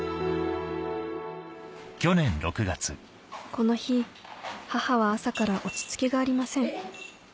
この日母は朝から落ち着きがありません